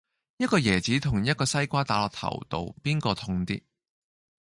一個椰子同一個西瓜打落頭度,邊個痛啲